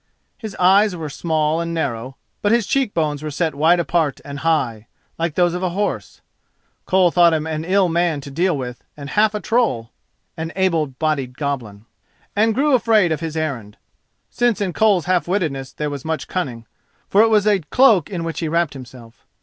His eyes were small and narrow, but his cheekbones were set wide apart and high, like those of a horse. Koll thought him an ill man to deal with and half a troll,[*] and grew afraid of his errand, since in Koll's half wittedness there was much cunning—for it was a cloak in which he wrapped himself.